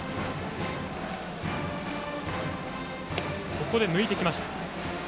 ここで抜いてきました。